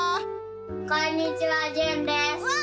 こんにちはじゅんです！わ！